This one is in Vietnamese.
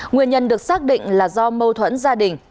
nguyên nhân được xác định là do mâu thuẫn gia đình